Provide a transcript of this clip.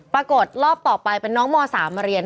ปรากฏรอบต่อไปเป็นน้องม๓มาเรียน